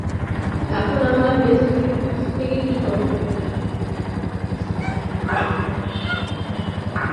এখন আমরা বেঁচে থেকে কি করব?